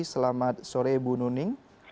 selamat sore bu nuning